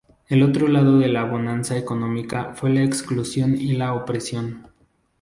El otro lado de la bonanza económica fue la exclusión y la opresión.